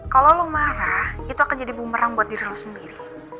kalau lo marah itu akan jadi bumerang buat diri lo sendiri